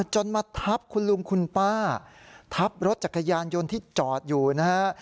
จนมาทับคุณลุงคุณป้าทับรถจักรยานยนต์ที่จอดอยู่นะฮะ